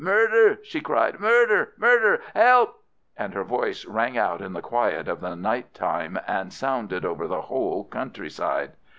"Murder!" she cried. "Murder! Murder! Help!" and her voice rang out in the quiet of the night time and sounded over the whole country side.